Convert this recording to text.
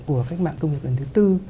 của các bạn công việc lần thứ bốn